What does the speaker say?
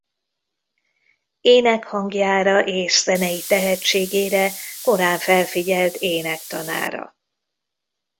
Énekhangjára és zenei tehetségére korán felfigyelt énektanára.